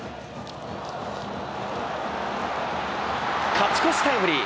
勝ち越しタイムリー。